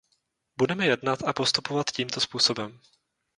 Budeme jednat a postupovat tímto způsobem.